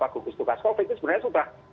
gugus tugas covid itu sebenarnya sudah